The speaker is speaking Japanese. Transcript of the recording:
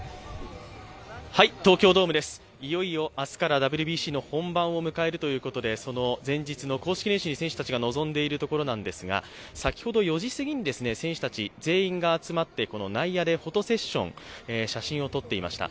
いよいよ明日からＷＢＣの本番を迎えるということでその前日の公式練習に選手たちが臨んでいるところですが先ほど、４時すぎに選手たち全員が集まって内野でフォトセッション、写真を撮っていました。